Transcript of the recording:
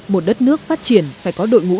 một đất nước phát triển phải có đội ngũ